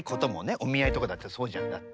お見合いとかだってそうじゃんだって。